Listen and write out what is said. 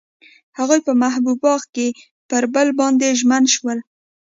هغوی په محبوب باغ کې پر بل باندې ژمن شول.